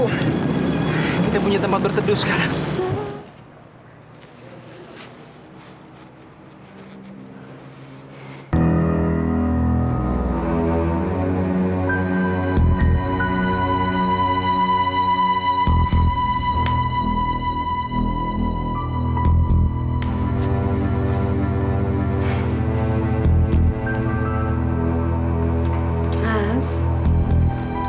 kita punya tempat berteduh sekarang